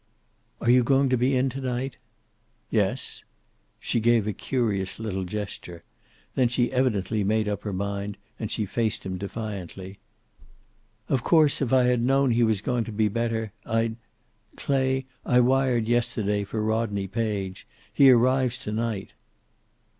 "Are you going to be in to night?" "Yes." She gave a curious little gesture. Then she evidently made up her mind and she faced him defiantly. "Of course, if I had known he was going to be better, I'd Clay, I wired yesterday for Rodney Page. He arrives to night."